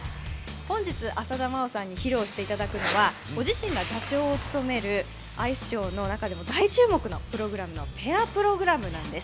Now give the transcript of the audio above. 本日、浅田真央さんに披露していただくのは、ご自身が座長を務めるアイスショーの中でも大注目のプログラムのペアプログラムです。